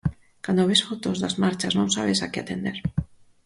Cando ves fotos das marchas non sabes a que atender.